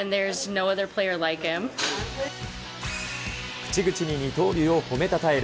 口々に二刀流を褒めたたえる